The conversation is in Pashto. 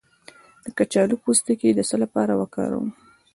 د کچالو پوستکی د څه لپاره وکاروم؟